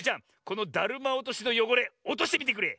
このだるまおとしのよごれおとしてみてくれ。